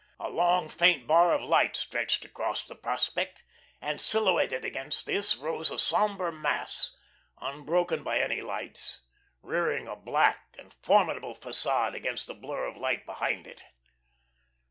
A long, faint bar of light stretched across the prospect, and silhouetted against this rose a sombre mass, unbroken by any lights, rearing a black and formidable facade against the blur of light behind it.